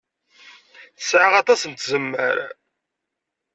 Tesɛa aṭas n tzemmar.